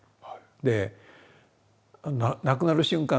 で亡くなる瞬間